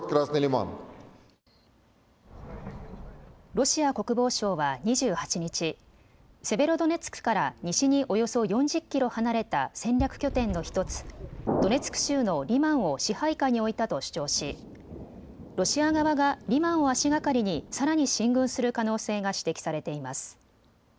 ロシア国防省は２８日、セベロドネツクから西におよそ４０キロ離れた戦略拠点の１つ、ドネツク州のリマンを支配下に置いたと主張しロシア側がリマンを足がかりにさらに進軍する可能性が指摘されています。